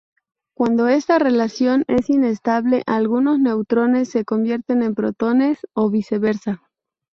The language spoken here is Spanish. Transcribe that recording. Cuando esta relación es inestable, algunos neutrones se convierten en protones, o viceversa.